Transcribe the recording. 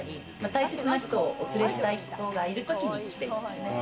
大切な人、お連れしたい人がいる時に来ていますね。